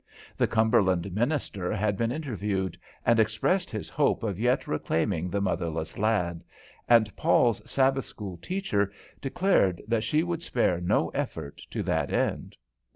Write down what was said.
The Cumberland minister had been interviewed, and expressed his hope of yet reclaiming the motherless lad, and Paul's Sabbath school teacher declared that she would spare no effort to that end.